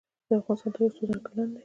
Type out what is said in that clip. د افغانستان تاریخ څو زره کلن دی؟